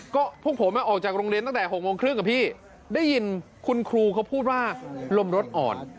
ก็พวกผมออกจากโรงเรียนตั้งแต่๖โมงครึ่งอะพี่ได้ยินคุณครูเขาพูดว่าลมรถอ่อน